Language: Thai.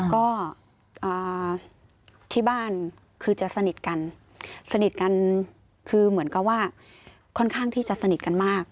ก็ที่บ้านคือจะสนิทกันสนิทกันคือเหมือนกับว่าค่อนข้างที่จะสนิทกันมาก